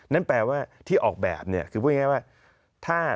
นั่นแปลว่าที่ออกแบบเนี่ยคือพูดง่ายว่า